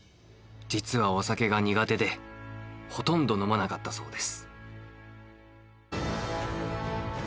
実はお酒が苦手でほとんど飲まなかったそうです。